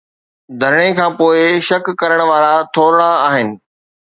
ڌرڻي کان پوءِ شڪ ڪرڻ وارا ٿورڙا آهن.